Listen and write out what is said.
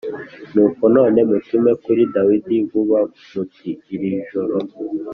Nuko none mutume kuri Dawidi vuba muti Irijoro